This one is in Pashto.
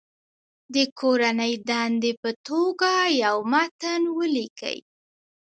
د کورنۍ دندې په توګه یو متن ولیکئ.